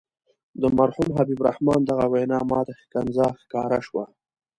د مرحوم حبیب الرحمن دغه وینا ماته ښکنځا ښکاره شوه.